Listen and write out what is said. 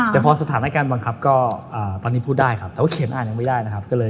แต่พอสถานการณ์บังคับก็ตอนนี้พูดได้ครับแต่ว่าเขียนอ่านยังไม่ได้นะครับ